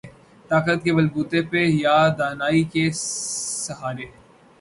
طاقت کے بل بوتے پہ یا دانائی کے سہارے۔